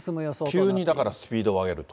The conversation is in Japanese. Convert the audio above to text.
急にだからスピードを上げると。